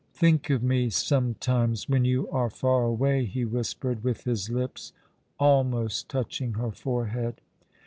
" Think of me sometimes when you are far away !" ho whispered, with his lips almost touching her forehead.